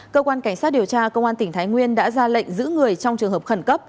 cơ quan cảnh sát điều tra công an tỉnh thái nguyên đã ra lệnh giữ người trong trường hợp khẩn cấp